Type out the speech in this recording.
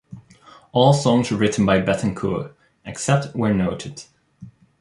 All songs written by Bettencourt, except where noted.